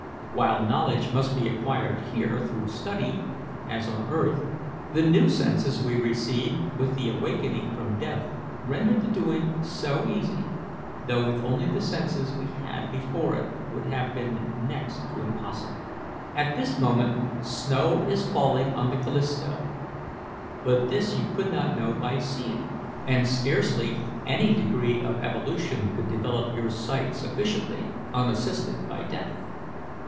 While knowledge must be acquired here through study, as on earth, the new senses we receive with the awakening from death render the doing so easy, though with only the senses we had before it would have been next to impossible. "At this moment snow is falling on the Callisto; but this you could not know by seeing, and scarcely any degree of evolution could develop your sight sufficiently, unassisted by death.